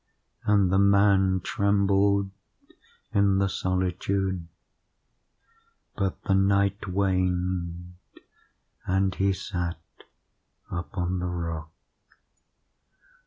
And the man trembled in the solitude;—but the night waned and he sat upon the rock.